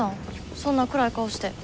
そんな暗い顔して。